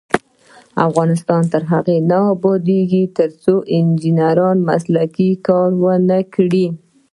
افغانستان تر هغو نه ابادیږي، ترڅو انجنیران مسلکي کار ونکړي.